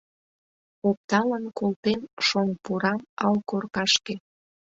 Опталын колтем шоҥ пурам ал коркашке